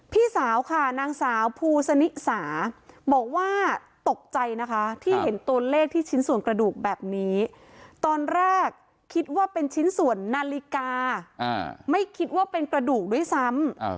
พี่สาวค่ะนางสาวภูสนิสาบอกว่าตกใจนะคะที่เห็นตัวเลขที่ชิ้นส่วนกระดูกแบบนี้ตอนแรกคิดว่าเป็นชิ้นส่วนนาฬิกาไม่คิดว่าเป็นกระดูกด้วยซ้ำ